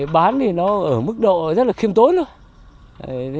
bán thì nó ở mức độ rất là khiêm tốn thôi